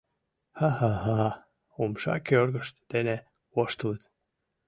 — Ха-ха-ха! — умша кӧргышт дене воштылыт.